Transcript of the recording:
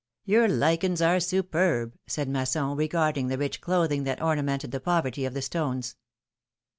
^^Your lichens are superb,^^ said Masson, regarding the rich clothing that ornamented the poverty of the stones.